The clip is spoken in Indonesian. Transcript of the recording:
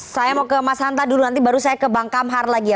saya mau ke mas hanta dulu nanti baru saya ke bang kamhar lagi ya